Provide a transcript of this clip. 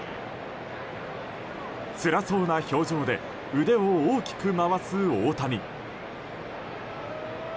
つらそうな表情で腕を大きく回す大谷。